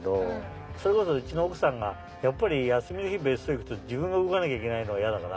それこそうちの奥さんがやっぱり休みの日別荘行くと分が動かなきゃいけないのが嫌だから。